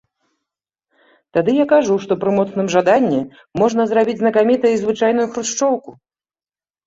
Тады я кажу, што пры моцным жаданні можна зрабіць знакамітай і звычайную хрушчоўку.